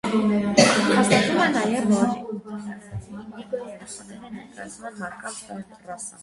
Հաստտավում է նաև, որ ինդիգո երեխաները ներկայացնում են մարդկանց նոր ռասսան։